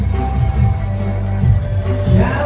สโลแมคริปราบาล